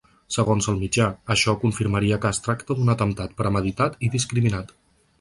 Segons el mitjà, això confirmaria que es tracta d’un atemptat premeditat i discriminat.